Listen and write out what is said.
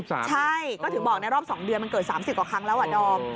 ใช่ก็ถึงบอกในรอบ๒เดือนมันเกิด๓๐กว่าครั้งแล้วอ่ะดอม